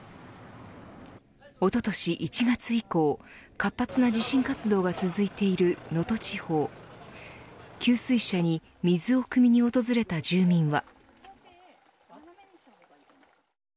おととし１月以降活発な地震活動が続いている能登地方給水車に水をくみに訪れた住民は。